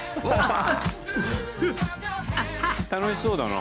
楽しそうだな。